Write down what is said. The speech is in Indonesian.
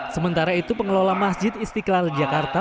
sementara itu pengelola masjid istiqlal jakarta